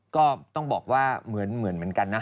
ก็ต้องบอกว่าเหมือนเหมือนเหมือนกันนะ